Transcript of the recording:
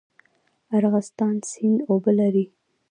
ارغستان سیند اوبه لري؟